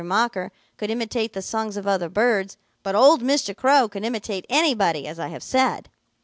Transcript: Mocker could imitate the songs of other birds, but old Mr. Crow could imitate anybody, as I have said.